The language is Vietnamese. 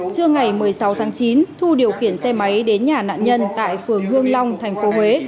trưa ngày một mươi sáu tháng chín thu điều khiển xe máy đến nhà nạn nhân tại phường hương long thành phố huế